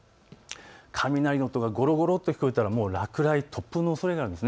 雷の音が聞こえたら落雷、突風のおそれがあります。